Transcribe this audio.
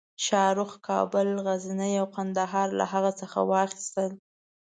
شاهرخ کابل، غزني او قندهار له هغه څخه واخیستل.